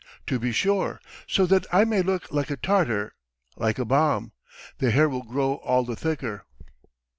"To be sure. So that I may look like a Tartar, like a bomb. The hair will grow all the thicker."